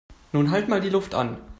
Nun halt mal die Luft an!